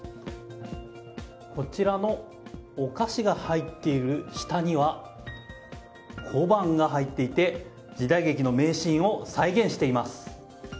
こちらのお菓子が入っている下には小判が入っていて、時代劇の名シーンを再現しています。